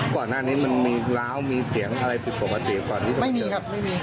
ก่อนหน้านี้มันมีร้าวมีเสียงอะไรปกติก่อนไม่มีครับไม่มี